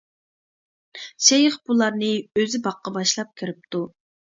شەيخ بۇلارنى ئۆزى باغقا باشلاپ كىرىپتۇ.